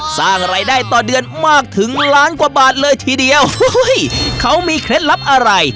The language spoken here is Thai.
สร้างรายได้ต่อเดือนมากถึงล้านกว่าบาทเลยทีเดียวเขามีเคล็ดลับอะไร